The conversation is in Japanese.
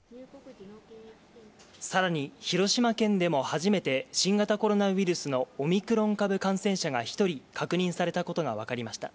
更に広島県でも初めて新型コロナウイルスのオミクロン株感染者が１人確認されたことが分かりました。